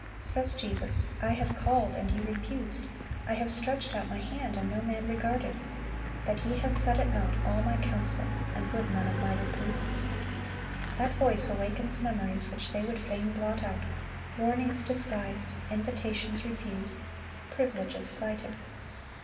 Says Jesus: "I have called, and ye refused; I have stretched out My hand, and no man regarded; but ye have set at naught all My counsel, and would none of My reproof."(1111) That voice awakens memories which they would fain blot out,—warnings despised, invitations refused, privileges slighted.